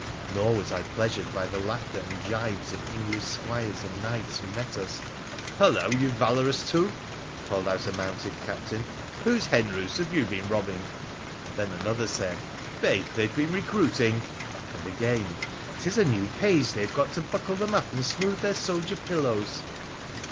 Nor was I pleasured by the laughter and gibes of English squires and knights who met us. ' Hullo ! you valorous two,' called out a mounted captain, ' whose hen roosts have you been robbing ?' And then another said, ' Faith ! they've been recruiting,' and again, ' 'Tis a new page they've got to buckle them up and smooth their soldier pillows.'